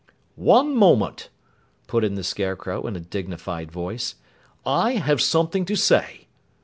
"One moment," put in the Scarecrow in a dignified voice. "I have something to say."